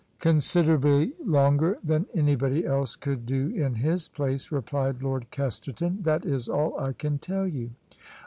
" Considerably longer than anybody else could do in his place," replied Lord Kesterton :" that is all I can tell you."